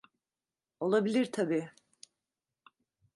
Olabilir tabii.